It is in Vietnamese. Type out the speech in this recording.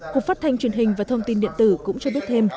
cục phát thanh truyền hình và thông tin điện tử cũng cho biết thêm